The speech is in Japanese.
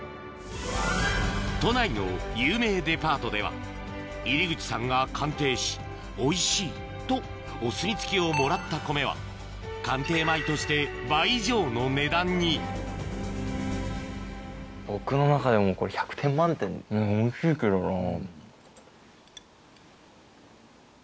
都内の有名デパートでは入口さんが鑑定し「おいしい」とお墨付きをもらった米は鑑定米として倍以上の値段に僕の中ではもうこれ１００点満点おいしいけどな。